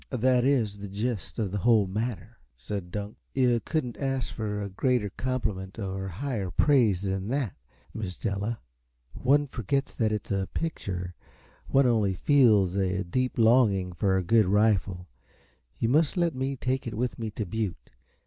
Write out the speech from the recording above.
"That is the gist of the whole matter," said Dunk. "You couldn't ask for a greater compliment, or higher praise, than that, Miss Della. One forgets that it is a picture. One only feels a deep longing for a good rifle. You must let me take it with me to Butte.